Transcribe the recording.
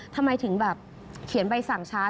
ทำไมถึงแบบเขียนใบสั่งช้า